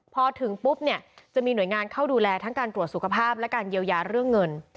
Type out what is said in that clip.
พอถึงปุ๊บเนี่ยจะมีหน่วยงานเข้าดูแลทั้งการตรวจสุขภาพและการเยียวยาเรื่องเงิน